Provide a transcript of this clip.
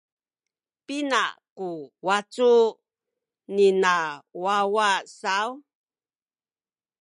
Pina ku wacu nina wawa saw?